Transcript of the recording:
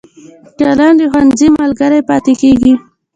قلم د ښوونځي ملګری پاتې کېږي